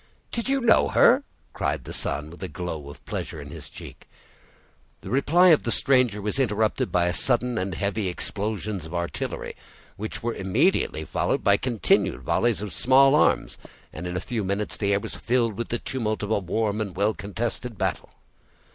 "Did you know her?" cried the son, with a glow of pleasure on his cheek. The reply of the stranger was interrupted by sudden and heavy explosions of artillery, which were immediately followed by continued volleys of small arms, and in a few minutes the air was filled with the tumult of a warm and well contested battle.